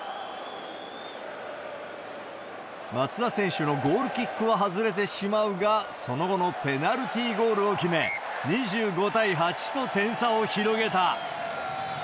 松田選手のゴールキックは外れてしまうが、その後のペナルティゴールを決め、２５対８と点差を広げた。